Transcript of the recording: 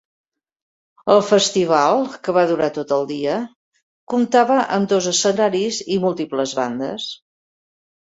El festival, que va durar tot el dia, comptava amb dos escenaris i múltiples bandes.